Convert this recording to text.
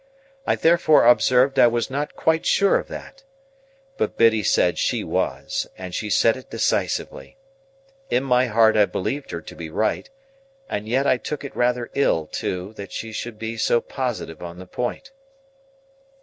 I therefore observed I was not quite sure of that. But Biddy said she was, and she said it decisively. In my heart I believed her to be right; and yet I took it rather ill, too, that she should be so positive on the point.